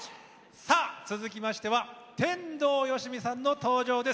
続きましては天童よしみさんの登場です。